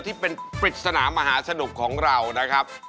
ที่เป็นปริศนามหาสนุกของเรานะครับ